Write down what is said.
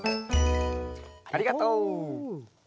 ありがとう。